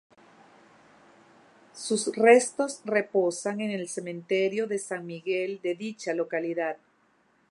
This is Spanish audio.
Sus restos reposan en el Cementerio de San Miguel de dicha localidad.